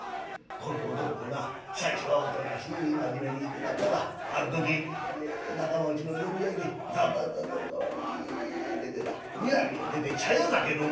この男もな最初はおとなしい真面目にしてなったがある時仲間内の寄り合いで雑穀八さんの代わりに出てなミナミへ出て茶屋酒飲んだ。